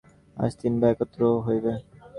আজ তিন ভাই একত্র হইবে।